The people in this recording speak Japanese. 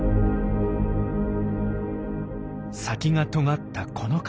先がとがったこの形。